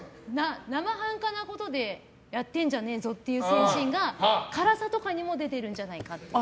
生半可なことでやってんじゃねえぞっていう精神が辛さとかにも出てるんじゃないかっていう。